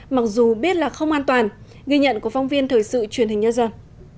mặc dù biết là không an toàn ghi nhận của phong viên thời sự truyền hình nhân dân